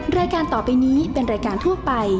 แม่บ้านประจันบรรย์